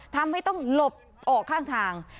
ทำให้ต้องหลบออกข้างทาง